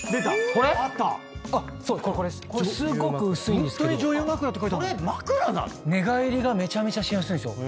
これまくらなの⁉寝返りがめちゃめちゃしやすいんですよ。